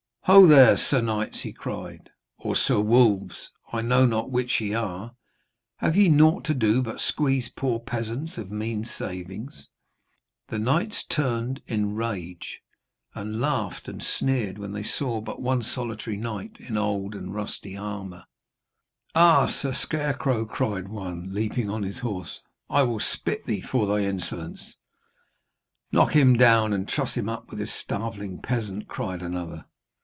'Ho, there, sir knights,' he cried, 'or sir wolves I know not which ye are have ye naught to do but to squeeze poor peasants of mean savings?' The knights turned in rage, and laughed and sneered when they saw but one solitary knight in old and rusty armour. 'Ah, sir scarecrow!' cried one, leaping on his horse, 'I will spit thee for thy insolence.' 'Knock him down and truss him up with this starveling peasant,' cried another.